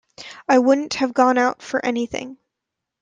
I wouldn't have gone out for anything.